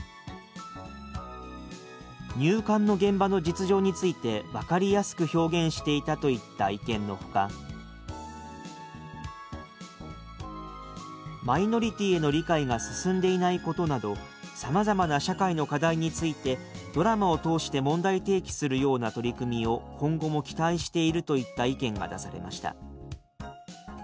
「入管の現場の実情について分かりやすく表現していた」といった意見のほか「マイノリティーへの理解が進んでいないことなどさまざまな社会の課題についてドラマを通して問題提起するような取り組みを今後も期待している」といった意見が出されました。